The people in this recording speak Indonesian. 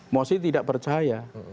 mosi tidak percaya